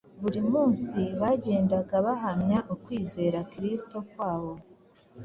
buri munsi bagendaga bahamya ukwizera Kristo kwabo.